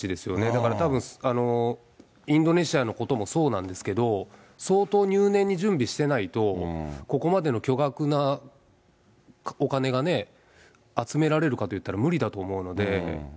だから多分、インドネシアのこともそうなんですけど、相当入念に準備してないと、ここまでの巨額なお金がね、集められるかといったら無理だと思うので。